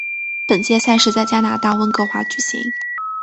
本届赛事在加拿大温哥华举行。